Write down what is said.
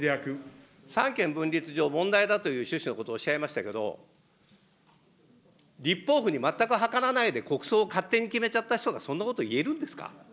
三権分立上、問題だという趣旨のことをおっしゃいましたけれども、立法府に全く諮らないで国葬を勝手に決めちゃった人が、そんなこと言えるんですか。